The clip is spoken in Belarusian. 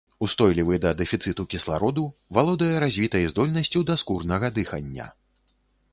Устойлівы да дэфіцыту кіслароду, валодае развітай здольнасцю да скурнага дыхання.